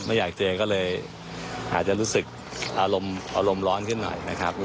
ไม่อยากเจอก็เลยอาจจะรู้สึกอารมณ์ร้อนขึ้นหน่อยนะครับ